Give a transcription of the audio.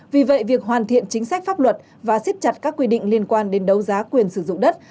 vì vậy việc hoàn thiện chính sách pháp luật và xiết chặt các quy định liên quan đến đấu giá quyền sử dụng đất